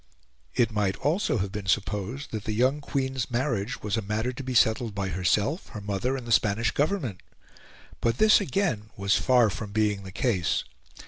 It might also have been supposed that the young Queen's marriage was a matter to be settled by herself, her mother, and the Spanish Government; but this again was far from being the case.